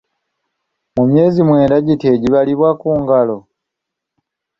Mu myezi mwenda giti egibalibwa ku ngalo?